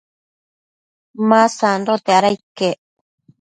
ma sandote, ada iquec